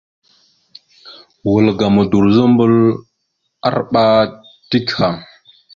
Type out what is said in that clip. Wal ga Modorəzobom arɓa dik haŋ.